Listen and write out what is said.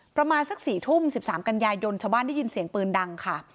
ประมาณสัก๔ทุ่ม๑๓กันยายนชาวบ้านได้ยินเสียงปืนดังค่ะ